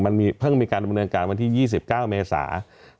มันเพิ่งมีการบรรยาการวันที่๒๙เมษา